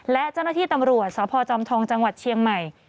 และเจ้าหน้าที่ตำรวจสพจอมทองจังหวัดเชียงใหม่